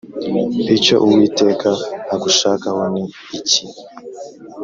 Icyo Uwiteka agushakaho ni iki